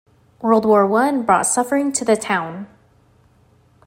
World War One brought suffering to the town.